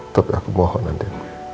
tapi aku mohon andi